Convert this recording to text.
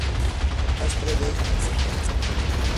Catastro de Ensenada.